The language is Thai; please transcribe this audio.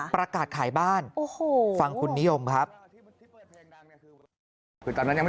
ประกาศขายบ้านฟังคุณนิยมครับ